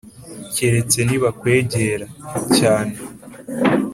keretse nibakwegera.cyane